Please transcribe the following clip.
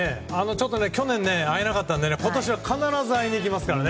去年、会えなかったので今年は必ず会いに行きますからね。